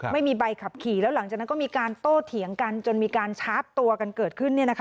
ไม่มีใบขับขี่แล้วหลังจากนั้นก็มีการโต้เถียงกันจนมีการชาร์จตัวกันเกิดขึ้น